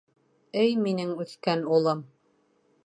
— Эй минең үҫкән улым.